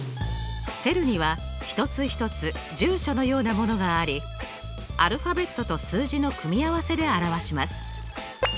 セルには一つ一つ住所のようなものがありアルファベットと数字の組み合わせで表します。